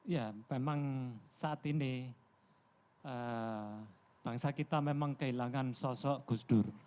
ya memang saat ini bangsa kita memang kehilangan sosok gus dur